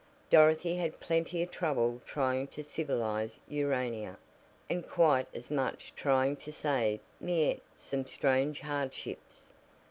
Dorothy had plenty of trouble trying to civilize Urania, and quite as much trying to save Miette some strange hardships.